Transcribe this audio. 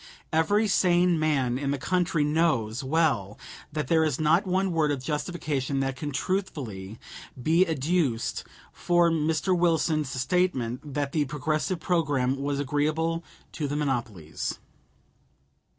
Every sane man in the country knows well that there is not one word of justification that can truthfully be adduced for Mr. Wilson's statement that the Progressive programme was agreeable to the monopolies.